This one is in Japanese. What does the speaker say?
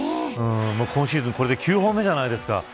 今シーズンこれで９本目じゃないですか。